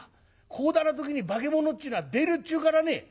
こうだな時に化物っちゅうのは出るっちゅうからね」。